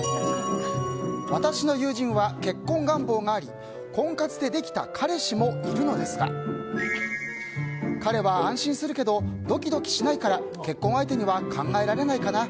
私の友人は結婚願望もあり婚活でできた彼氏もいるのですが彼は安心するけどドキドキしないから結婚相手には考えられないかな。